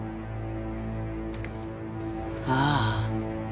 ああ。